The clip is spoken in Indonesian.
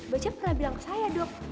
bocep pernah bilang ke saya dok